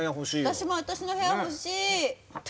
私も私の部屋欲しい。